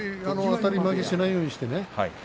あたり負けしないようにしてね。